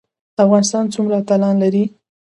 افغانستان څومره اتلان لري؟